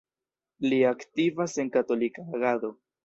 Li aktivas en Katolika Agado.